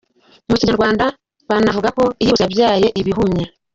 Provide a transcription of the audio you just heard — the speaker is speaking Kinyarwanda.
Mu Kinyarwanda banavugako “iyihuse yabyaye ibihumye”.